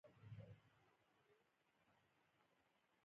دریابونه د افغانستان د جغرافیې بېلګه ده.